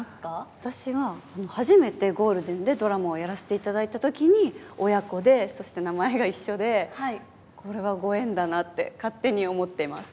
私は、初めてゴールデンでドラマをやらせていただいたときに、親子で、そして名前が一緒で、これはご縁だなって、勝手に思っています。